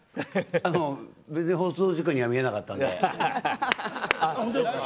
全然放送事故には見えなかったので。